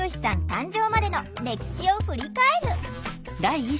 誕生までの歴史を振り返る！